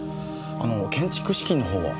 あの建築資金の方は？